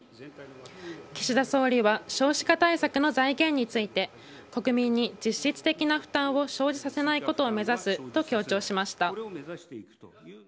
岸田総理は少子化対策の財源について、国民に実質的な負担を生じさせないことを目指すと強調しました。